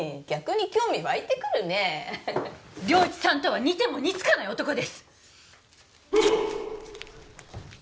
逆に興味湧いてくるね良一さんとは似ても似つかない男です！